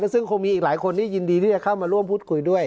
ซึ่งคงมีอีกหลายคนที่ยินดีที่จะเข้ามาร่วมพูดคุยด้วย